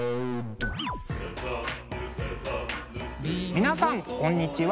皆さんこんにちは。